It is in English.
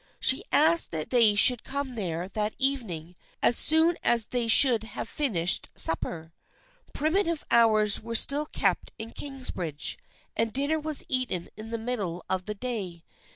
She asked that they should come there that evening as soon as they should have finished supper. Primitive hours were still kept in Kings bridge, and dinner was eaten in the middle of the day.